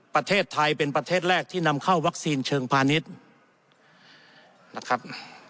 ประเทศไทยเป็นประเทศแรกที่นำเข้าวัคซีนเชิงพาณิชย์นะครับ